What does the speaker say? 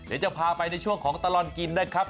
เดี๋ยวจะพาไปในช่วงของตลอดกินนะครับ